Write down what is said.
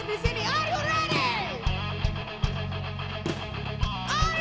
ketika siapa saja sendirian